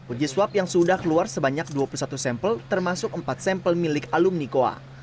uji swab yang sudah keluar sebanyak dua puluh satu sampel termasuk empat sampel milik alumni koa